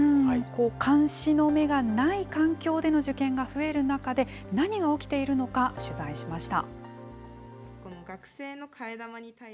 監視の目がない環境での受験が増える中で、何が起きているのか、取材しました。